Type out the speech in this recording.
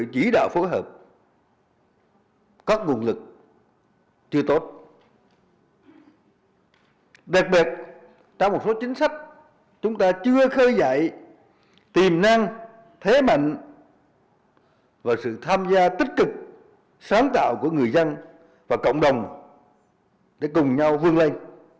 chính sách chúng ta chưa khơi dạy tiềm năng thế mạnh và sự tham gia tích cực sáng tạo của người dân và cộng đồng để cùng nhau vươn lên